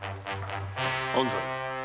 安西。